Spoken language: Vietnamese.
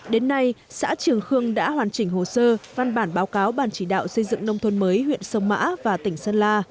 đến nay xã trường khương đã hoàn chỉnh hồ sơ văn bản báo cáo ban chỉ đạo xây dựng nông thôn mới huyện sông mã và tỉnh sơn la